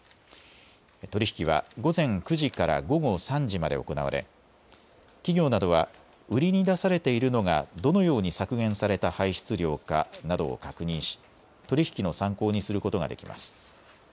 取り引きは午前９時から午後３時まで行われ企業などは売りに出されているのがどのように削減された排出量かなどを確認し取り引きの参考にすることができます。